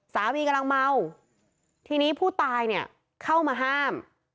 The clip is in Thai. สามีกำลังเมาทีนี้ผู้ตายเนี่ยเข้ามาห้าม